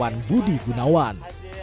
dan penyelidikan budi gunawan